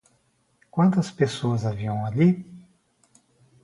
Quantas pessoas haviam ali?